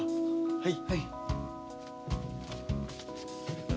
はい。